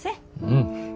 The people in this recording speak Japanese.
うん。